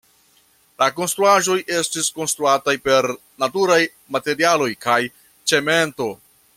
La konstruaĵoj estis konstruataj per naturaj materialoj kaj cemento.